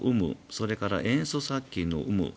それから、塩素殺菌の有無。